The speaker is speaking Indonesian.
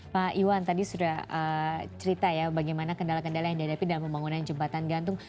pak iwan tadi sudah cerita ya bagaimana kendala kendala yang dihadapi dalam pembangunan jembatan gantung